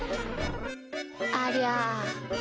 ありゃ。